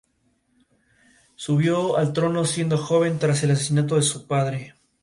Esto fue una continuación directa de la liras utilizadas en el Reino de Cerdeña.